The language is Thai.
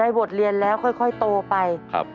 ไปบดเรียนแล้วค่อยโตไปครับ